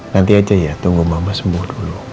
nanti aja ya tunggu mama semua dulu